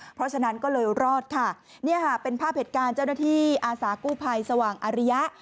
เพราะฉะนั้นก็เลยรอดค่ะเนี่ยค่ะเป็นภาพเหตุการณ์เจ้าหน้าที่อาสากู้ภัยสว่างอาริยะ